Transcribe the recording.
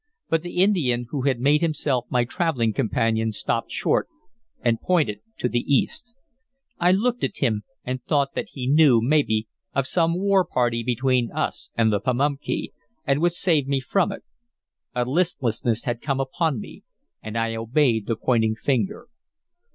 But the Indian who had made himself my traveling companion stopped short, and pointed to the east. I looked at him, and thought that he knew, maybe, of some war party between us and the Pamunkey, and would save me from it. A listlessness had come upon me, and I obeyed the pointing finger.